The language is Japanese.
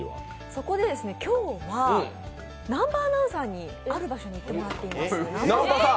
そこで今日は南波アナウンサーにある場所に行ってもらっています。